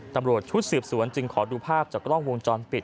ตำรวจชุดสืบสวนจึงขอดูภาพจากกล้องวงจรปิด